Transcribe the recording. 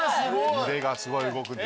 群れがすごい動くんです。